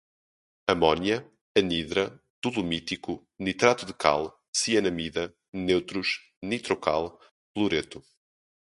amônia, anidra, dolomítico, nitrato de cal, cianamida, neutros, nitrocal, cloreto